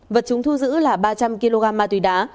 vật chứng thu giữ là ba trăm linh kg ma túy đá